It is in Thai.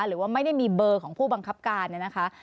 หรือว่าไม่ได้มีเบอร์ของผู้บังคับการเนี่ยนะคะ